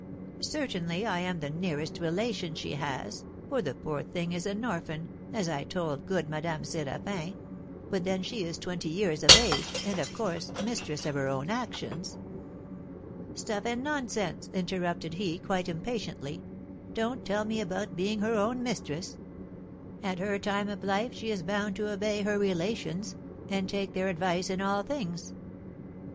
'Certainly, I am the nearest relation she has, for the poor thing is an orphan, as I told good Madame Séraphin; but then she is twenty years of age, and, of course, mistress of her own actions.' 'Stuff and nonsense!' interrupted he, quite impatiently; 'don't tell me about being her own mistress; at her time of life she is bound to obey her relations, and take their advice in all things.'